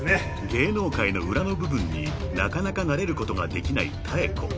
［芸能界の裏の部分になかなか慣れることができない妙子］